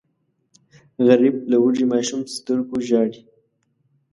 غریب له وږي ماشوم سترګو ژاړي